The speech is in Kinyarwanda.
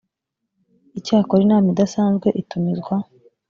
icyakora inama idasanzwe itumizwa